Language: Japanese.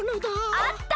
あった！